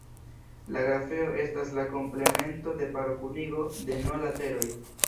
La grafeo estas la komplemento de paro-kunigo de "n" lateroj.